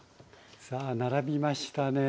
さあ並びましたね。